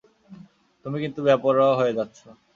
তুমি কিন্তু বেপরোয়া হয়ে যাচ্ছ।